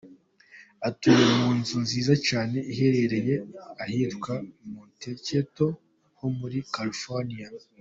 Atuye mu nzu nziza cyane iherereye ahitwa Montecito ho muri California.